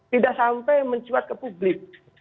tidak sampai mencuat ke publik